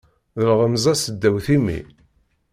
D lɣemza seddaw timmi.